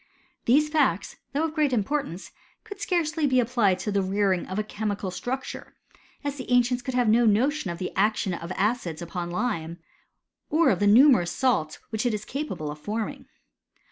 These facts, though of great importance^ could scarcely be applied to the rearing of a chemi structure, us the ancients could have no notion of action of acids upon lime, or of the numerous sal which it is capable of forming.